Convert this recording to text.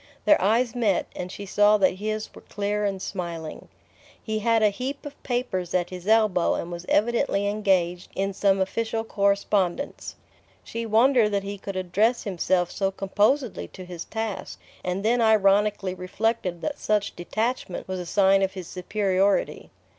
Their eyes met, and she saw that his were clear and smiling. He had a heap of papers at his elbow and was evidently engaged in some official correspondence. She wondered that he could address himself so composedly to his task, and then ironically reflected that such detachment was a sign of his superiority.